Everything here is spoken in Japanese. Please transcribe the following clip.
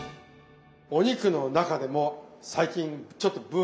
お肉の中でも最近ちょっとブーム。